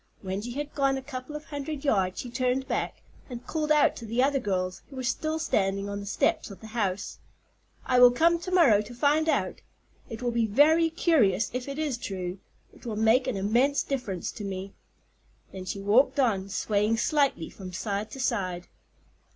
When she had gone a couple of hundred yards she turned back, and called out to the other girls, who were still standing on the steps of the house: "I will come to morrow to find out. It will be very curious if it is true. It will make an immense difference to me." Then she walked on, swaying slightly from side to side.